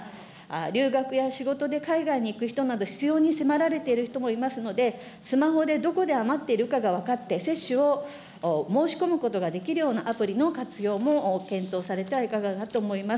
留学や仕事で海外に行く人など、必要に迫られている人もいますので、スマホでどこで余っているかが分かって、接種を申し込むことができるようなアプリの活用も検討されてはいかがかと思います。